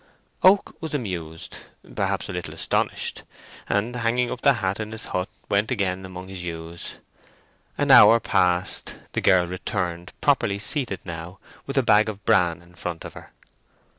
Oak was amused, perhaps a little astonished, and hanging up the hat in his hut, went again among his ewes. An hour passed, the girl returned, properly seated now, with a bag of bran in front of her.